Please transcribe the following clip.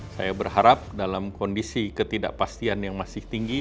saya berharap dalam kondisi ketidakpastian yang masih tinggi